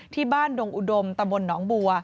ที่บ้านดงอุดมตะบนหนองบัว